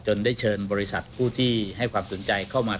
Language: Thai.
ได้เชิญบริษัทผู้ที่ให้ความสนใจเข้ามา